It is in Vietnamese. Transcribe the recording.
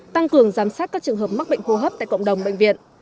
tăng cường giám sát các trường hợp mắc bệnh hô hấp tại cộng đồng bệnh viện